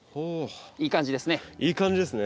いい感じですね。